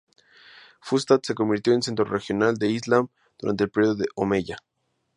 Fustat se convirtió en centro regional del Islam durante el período Omeya.